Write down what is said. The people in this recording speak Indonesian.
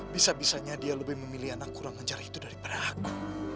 bisa bisanya dia lebih memilih anak kurang mencari itu daripada aku